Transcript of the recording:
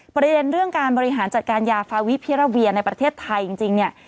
ประเด็นเรื่องการบริหารจัดการยาฟาวิพิราเวียในประเทศไทยจริงเนี่ย